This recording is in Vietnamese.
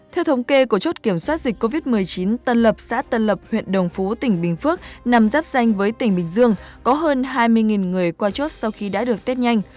theo thống kê của chốt kiểm soát dịch covid một mươi chín tân lập xã tân lập huyện đồng phú tỉnh bình phước nằm giáp danh với tỉnh bình dương có hơn hai mươi người qua chốt sau khi đã được test nhanh